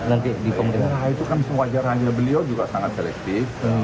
nah itu kan sewajarannya beliau juga sangat selektif